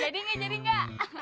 jadi gak jadi gak